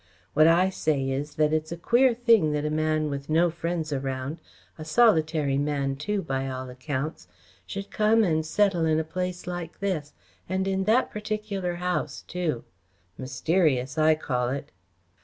What I say is that it's a queer thing that a man with no friends around, a solitary man too, by all accounts, should come and settle in a place like this, and in that particular house too. Mysterious, I call it!"